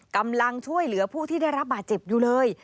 กำลังช่วยเหลือผู้ที่ได้รับบาดเจ็บอยู่เลย